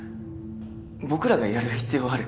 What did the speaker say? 僕らがやる必要ある？